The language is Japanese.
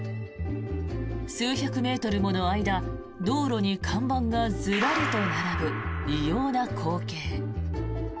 数百メートルもの間道路に看板がずらりと並ぶ異様な光景。